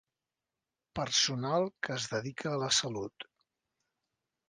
Personal que es dedica a la salut.